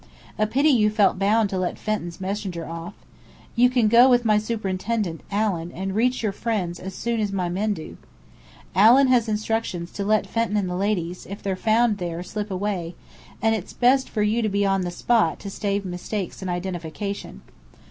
A pity you felt bound to let Fenton's messenger off! You can go with my superintendent, Allen, and reach your friends as soon as my men do. Allen has instructions to let Fenton and the ladies, if they're found there, slip away, and it's best for you to be on the spot to save mistakes in identification.